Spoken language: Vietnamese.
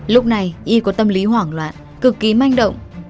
lúc này y có tâm lý hoảng loạn cực kỳ manh động